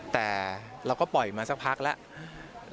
แต่เราก็ปล่อยมาสักพักแล้ว